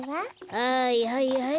はいはいはい。